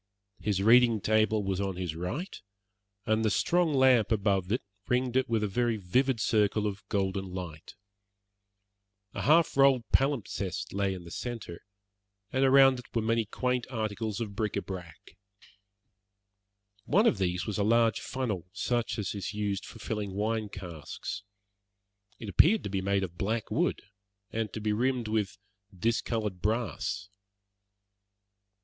His reading table was on his right, and the strong lamp above it ringed it with a very vivid circle of golden light. A half rolled palimpsest lay in the centre, and around it were many quaint articles of bric a brac. One of these was a large funnel, such as is used for filling wine casks. It appeared to be made of black wood, and to be rimmed with discoloured brass.